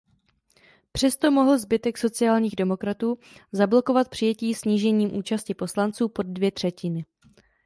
Přesto mohl zbytek sociálních demokratů zablokovat přijetí snížením účasti poslanců pod dvě třetiny.